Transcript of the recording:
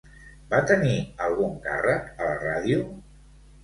Va tenir algun càrrec a la ràdio?